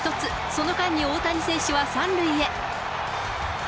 その間に大谷選手は３塁へ。